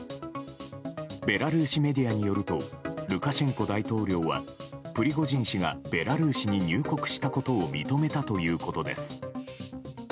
ベラルーシメディアによるとルカシェンコ大統領はプリゴジン氏がベラルーシに入国したことを認めたということです。